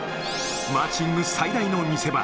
マーチング最大の見せ場。